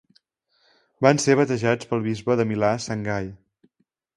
Van ser batejats pel bisbe de Milà sant Gai.